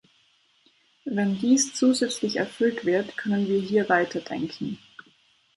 Wenn dies zusätzlich erfüllt wird, können wir hier weiterdenken.